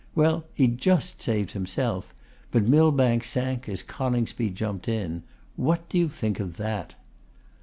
Well, he just saved himself; but Millbank sank as Coningsby jumped in. What do you think of that?